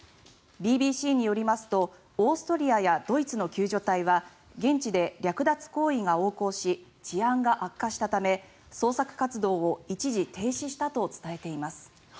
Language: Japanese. ＢＢＣによりますとオーストリアやドイツの救助隊は現地で略奪行為が横行し治安が悪化したため捜索活動を一時停止したと伝えています。